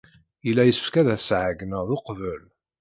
Yella yessefk ad as-tɛeyyned uqbel.